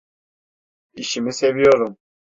İşimi seviyorum.